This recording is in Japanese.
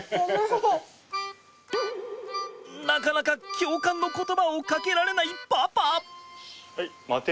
なかなか共感の言葉をかけられないパパ。